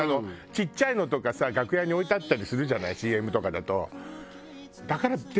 ちっちゃいのとかさ楽屋に置いてあったりするじゃないＣＭとかだと。